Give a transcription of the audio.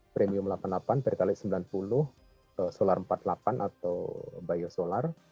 premium delapan puluh delapan pertalite sembilan puluh solar empat puluh delapan atau biosolar